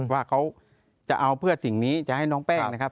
ว่าเขาจะเอาเพื่อสิ่งนี้จะให้น้องแป้งนะครับ